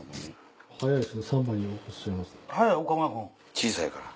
小さいから。